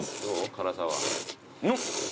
辛さは。おっ！